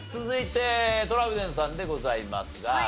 続いてトラウデンさんでございますが。